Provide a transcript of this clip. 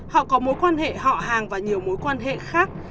họ có mối quan hệ họ hàng và nhiều mối quan hệ khác